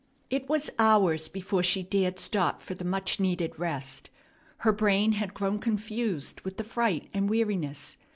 It was hours before she dared stop for the much needed rest. Her brain had grown confused with the fright and weariness.